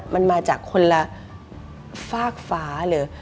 มันมาจากคนละฟากฟ้าหรือ